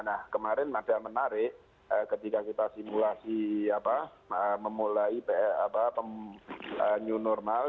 nah kemarin ada menarik ketika kita simulasi memulai new normal